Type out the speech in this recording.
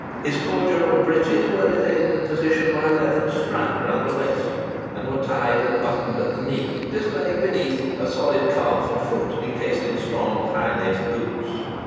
His corduroy breeches were retained in position by a leathern strap round the waist, and were tied and buttoned at the knee, displaying beneath a solid calf and foot encased in strong high laced boots.